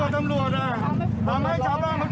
ถามว่าครอบแล้วทำทำไม